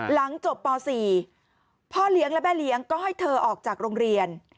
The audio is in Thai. หลังจบป๔พ่อเลี้ยงและแม่เลี้ยงก็ให้เธอออกจากโรงเรียน